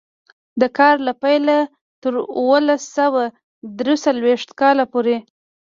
د کار له پیله تر اوولس سوه درې څلوېښت کاله پورې.